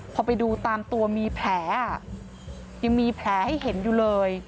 พอไปดูตามตัวมีแผลยังมีแผลให้เห็นอยู่เลย